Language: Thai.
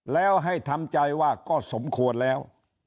แล้วให้ทำใจว่าก็สมควรแล้ว